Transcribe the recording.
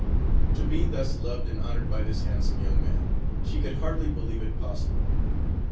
To be thus loved and honored by this handsome young man, she could hardly believe it possible.